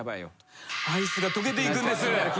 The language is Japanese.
アイスがとけていくんです。